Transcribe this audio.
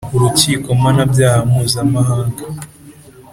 Urukiko Mpanabyaha Mpuzamahanga